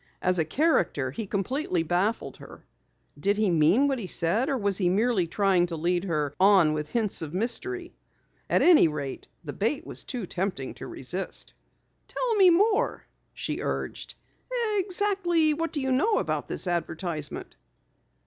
As a character he completely baffled her. Did he mean what he said or was he merely trying to lead her on with hints of mystery? At any rate, the bait was too tempting to resist. "Tell me more," she urged. "Exactly what do you know about this advertisement?"